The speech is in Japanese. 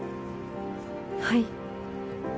はい。